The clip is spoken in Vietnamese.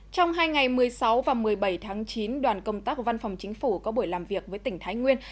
trong hai ngày một mươi sáu và một mươi bảy tháng chín đoàn công tác văn phòng chính phủ có buổi làm việc với tỉnh thái nguyên